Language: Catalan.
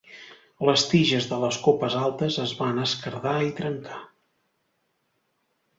Les tiges de les copes altes es van esquerdar i trencar.